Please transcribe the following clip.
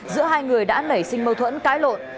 giữa hai người đã nảy sinh mâu thuẫn cãi lộn